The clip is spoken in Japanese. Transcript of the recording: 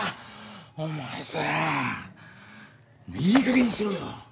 お前さもういいかげんにしろよ！